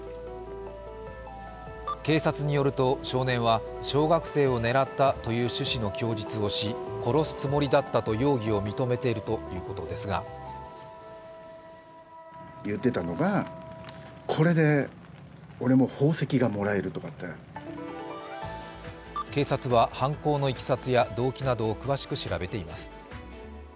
警察によると少年は小学生を狙ったという趣旨の供述をし、殺すつもりだったと容疑を認めているということですが警察は犯行のいきさつや動機などを詳しく調べています。